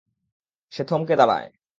সে থমকে দাঁড়ায়।